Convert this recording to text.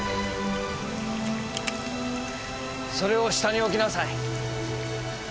それを下に置きなさい。